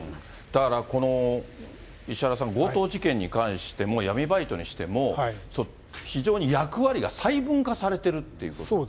だからこの、石原さん、強盗事件に関しても、闇バイトにしても、非常に役割が細分化されてるということですね。